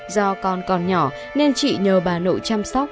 do con còn nhỏ nên chị nhờ bà nội chăm sóc